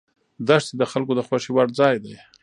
دښتې د خلکو د خوښې وړ ځای دی.